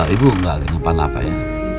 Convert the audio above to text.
ibu gak kenapa napa ya